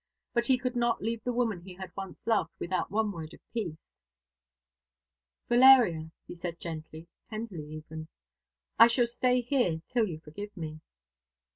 But he could not leave the woman he had once loved without one word of peace. "Valeria," he said gently, tenderly even, "I shall stay here till you forgive me."